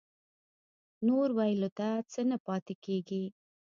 نور ويلو ته څه نه پاتې کېږي.